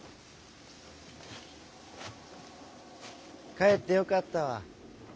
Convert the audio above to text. かえってよかったわ。